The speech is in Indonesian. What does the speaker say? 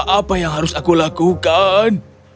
apa yang harus aku lakukan